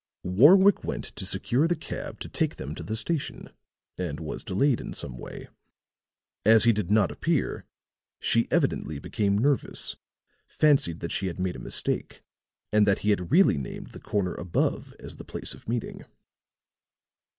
Warwick went to secure the cab to take them to the station, and was delayed in some way. As he did not appear, she evidently became nervous, fancied that she had made a mistake and that he had really named the corner above as the place of meeting.